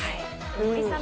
森さん